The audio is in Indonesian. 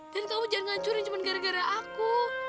dan kamu jangan ngancurin cuma gara gara aku